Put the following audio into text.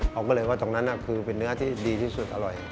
เขาก็เลยว่าตรงนั้นคือเป็นเนื้อที่ดีที่สุดอร่อย